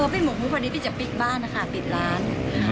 พี่หมูหูพอดีพี่จะปิดบ้านอ่ะค่ะปิดร้าน